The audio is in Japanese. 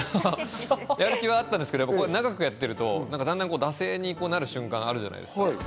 やる気はあったんですけど長くやってると、だんだん惰性になる瞬間があるじゃないですか。